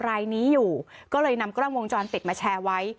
รายนี้อยู่ก็เลยนำกล้องวงจรปิดมาแชร์ไว้